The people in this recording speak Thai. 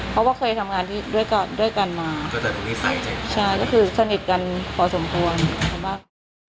เพราะว่าเคยทำงานที่ด้วยกันด้วยกันมาตั้งแต่ใช่ก็คือสนิทกันพอสมควรมาก